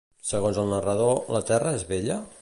Segons el narrador, la Terra és bella?